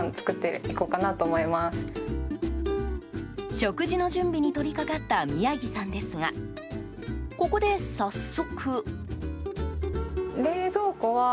食事の準備に取り掛かった宮城さんですがここで早速。